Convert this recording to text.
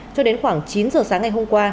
cho đến khoảng chín giờ sáng ngày hôm qua